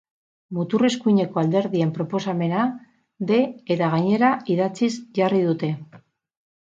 Mutur eskuineko alderdien proposamena de eta gainera, idatziz jarri dute.